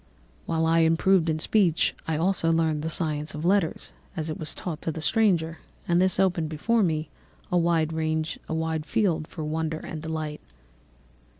"While I improved in speech, I also learned the science of letters as it was taught to the stranger, and this opened before me a wide field for wonder and delight.